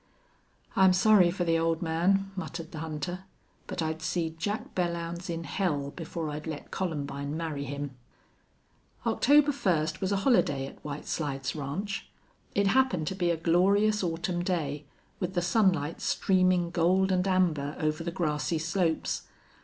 "I'm sorry for the old man," muttered the hunter, "but I'd see Jack Belllounds in hell before I'd let Columbine marry him." October first was a holiday at White Slides Ranch. It happened to be a glorious autumn day, with the sunlight streaming gold and amber over the grassy slopes.